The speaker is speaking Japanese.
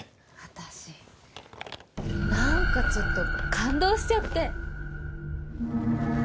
私何かちょっと感動しちゃって。